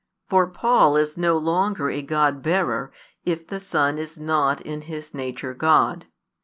For Paul is no longer a God bearer, if the Son is not in His nature God.